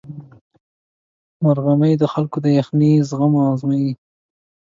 مرغومی د خلکو د یخنۍ زغم ازمويي.